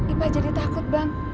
ipa jadi takut bang